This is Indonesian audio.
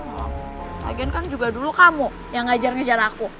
apalagi kan juga dulu kamu yang ngajar ngajar aku